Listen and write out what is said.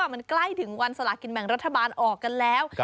มันใกล้ถึงวันสลากินแบ่งรัฐบาลออกกันแล้ว